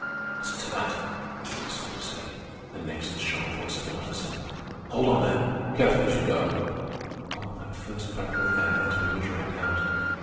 "Listen to that," we heard a soldier say. And next the sharp voice of an officer. "Hold on there! Careful as you go!" Oh, that first breath of air as we were dragged out!